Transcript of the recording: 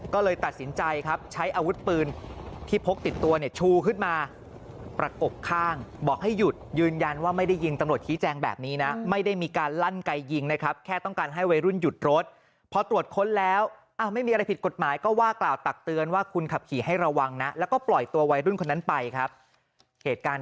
ก็เลยตัดสินใจครับใช้อาวุธปืนที่พกติดตัวเนี่ยชูขึ้นมาประกบข้างบอกให้หยุดยืนยันว่าไม่ได้ยิงตำรวจชี้แจงแบบนี้นะไม่ได้มีการลั่นไกยิงนะครับแค่ต้องการให้วัยรุ่นหยุดรถพอตรวจค้นแล้วไม่มีอะไรผิดกฎหมายก็ว่ากล่าวตักเตือนว่าคุณขับขี่ให้ระวังนะแล้วก็ปล่อยตัววัยรุ่นคนนั้นไปครับเหตุการณ์